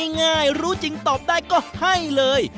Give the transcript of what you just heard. ง่ายรู้จริงตอบได้ก็ให้เลย